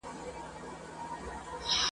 بيا به تاوکي چنګ برېتونه ..